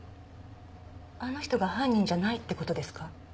あの人が犯人じゃないってことですか？